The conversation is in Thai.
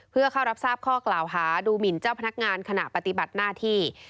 เพื่อเข้ารับทราบข้อกล่าวหาดูหมินเจ้าพนักงานขณะปฏิบัติหน้าที่